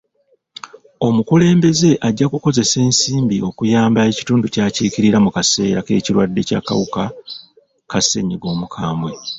Omukulembeze ajja kukozesa ensimbi okuyamba ekitundu ky'akiikirira mu kaseera k'ekirwadde ky'akawuka ka ssenyiga omukambwe.